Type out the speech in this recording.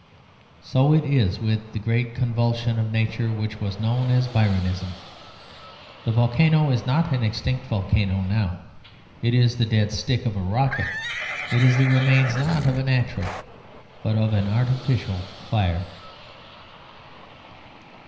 So it is with the great convulsion of Nature which was known as Byronism. The volcano is not an extinct volcano now; it is the dead stick of a rocket. It is the remains not of a natural but of an artificial fire.